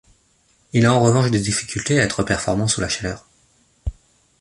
Il a en revanche des difficultés à être performant sous la chaleur.